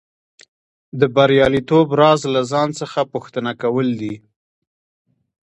د بریالیتوب راز له ځان څخه پوښتنه کول دي